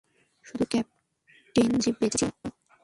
শুধু ক্যাপটিন রজ্ঞিভ বেঁচে ছিল।